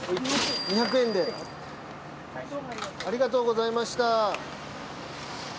２００円でありがとうございました。